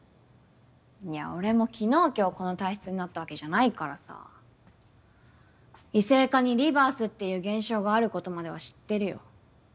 いや俺も昨日今日この体質になったわけじゃないからさ異性化にリバースっていう現象があることまでは知ってるよ。